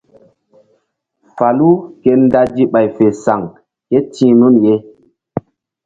Falu ke ndazi ɓay fe saŋ ké ti̧h nun ye.